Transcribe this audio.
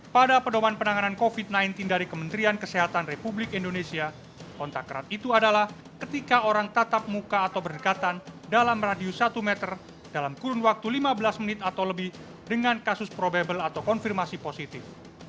pada pedoman penanganan covid sembilan belas dari kementerian kesehatan republik indonesia kontak erat itu adalah ketika orang tatap muka atau berdekatan dalam radius satu meter dalam kurun waktu lima belas menit atau lebih dengan kasus probable atau konfirmasi positif